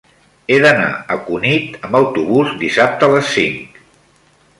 He d'anar a Cunit amb autobús dissabte a les cinc.